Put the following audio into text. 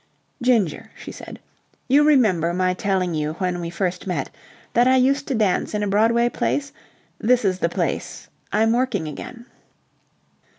"Ginger," she said, "you remember my telling you when we first met that I used to dance in a Broadway place? This is the place. I'm working again."